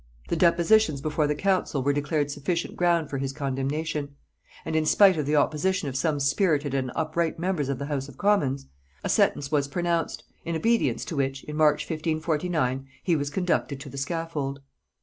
The depositions before the council were declared sufficient ground for his condemnation; and in spite of the opposition of some spirited and upright members of the house of commons, a sentence was pronounced, in obedience to which, in March 1549, he was conducted to the scaffold.